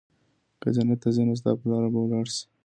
که جنت ته ځي نو ستا په لار به ولاړ سي